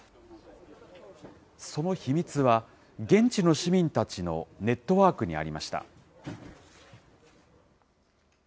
その秘密は、現地の市民たちのネットワークにありました。